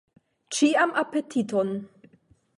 Ĉiam apetiton!